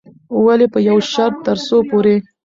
ولې په يوه شرط، ترڅو پورې